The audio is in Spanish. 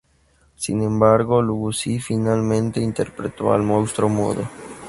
Sin embargo, Lugosi finalmente interpretó al monstruo mudo.